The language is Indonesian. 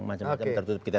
macam macam tertutup kita